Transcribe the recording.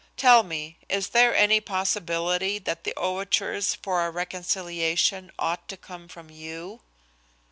Tell me, is there any possibility that the overtures for a reconciliation ought to come from you?"